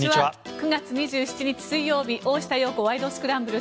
９月２７日、水曜日「大下容子ワイド！スクランブル」。